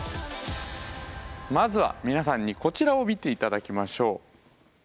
まずは皆さんにこちらを見て頂きましょう。